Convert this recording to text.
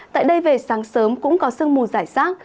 tại đây về sáng sớm cũng có sương mù giải rác